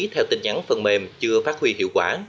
theo tin nhắn phần mềm chưa phát huy hiệu quả